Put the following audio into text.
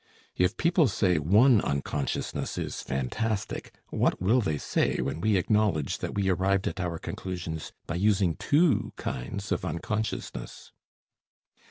If people say one unconsciousness is fantastic, what will they say when we acknowledge that we arrived at our conclusions by using two kinds of unconsciousness?